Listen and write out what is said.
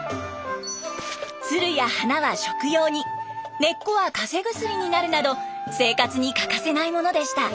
ツルや花は食用に根っこはかぜ薬になるなど生活に欠かせないものでした。